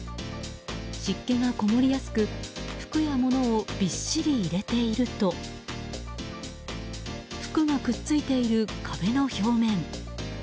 湿気がこもりやすく服や物をびっしり入れていると服がくっついている壁の表面